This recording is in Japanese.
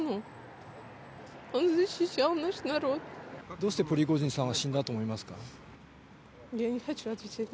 どうしてプリゴジンさんは死んだと思いますか？